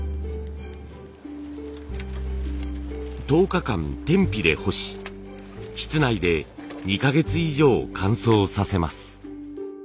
１０日間天日で干し室内で２か月以上乾燥させます。